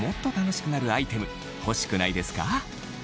欲しくないですか？